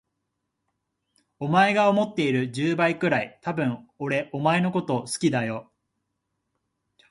お前が思っている十倍くらい、多分俺お前のこと好きだよ。